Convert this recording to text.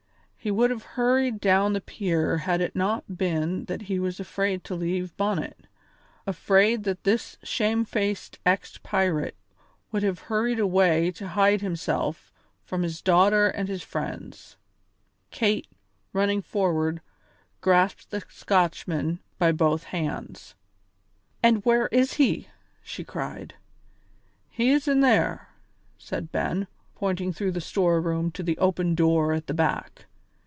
He would have hurried down to the pier had it not been that he was afraid to leave Bonnet; afraid that this shamefaced ex pirate would have hurried away to hide himself from his daughter and his friends. Kate, running forward, grasped the Scotchman by both hands. "And where is he?" she cried. "He is in there," said Ben, pointing through the storeroom to the open door at the back.